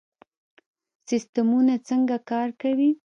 سیستمونه څنګه کار کوي؟